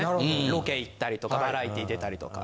ロケ行ったりとかバラエティ出たりとか。